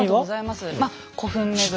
まあ古墳巡り。